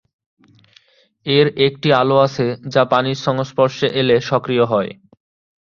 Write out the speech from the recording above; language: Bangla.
এর একটি আলো আছে যা পানির সংস্পর্শে এলে সক্রিয় হয়।